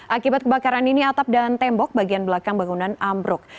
akibat kebakaran ini atap dan tembok bagian belakang bangunan ambruk